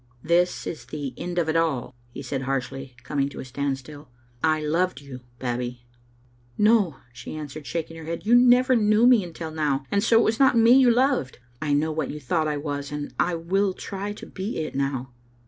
"This is the end of it all," he said harshly, coming to a standstill. " I loved you, Babbie." " No," she answered, shaking her head. " You never knew me until now, and so it was not me you loved. I know what you thought I was, and I will try to be it now."